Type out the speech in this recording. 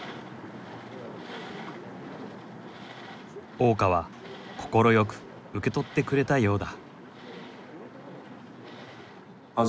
大川快く受け取ってくれたようだ。